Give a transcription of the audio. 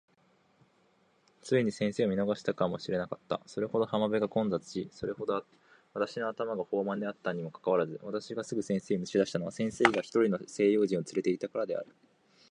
二人の間あいだには目を遮（さえぎ）る幾多の黒い頭が動いていた。特別の事情のない限り、私はついに先生を見逃したかも知れなかった。それほど浜辺が混雑し、それほど私の頭が放漫（ほうまん）であったにもかかわらず、私がすぐ先生を見付け出したのは、先生が一人の西洋人を伴（つ）れていたからである。